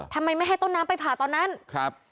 ทำไมไม่ให้ต้นน้ำไปผ่าตอนนั้นครับ